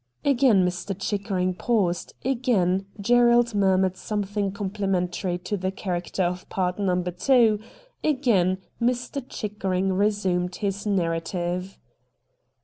Again Mr. Chickering paused ; again Gerald murmured something complimentary to the character of pard number two ; again Mr. Chickering resumed his narrative.